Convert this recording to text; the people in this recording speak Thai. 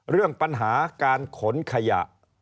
เรื่องปัญหาการขนขยะ